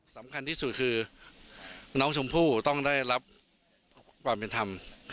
สำคัญที่สุดคือน้องชมพู่ต้องได้รับความเป็นธรรม